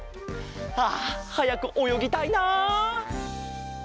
あはやくおよぎたいな！